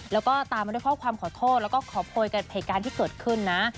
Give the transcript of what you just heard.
แล้วก็ตามมาด้วยข้อความขอโทษแล้วก็ขอโพยกับเหตุการณ์ที่เกิดขึ้นนะ